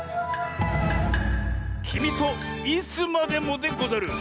「きみとイスまでも」でござる。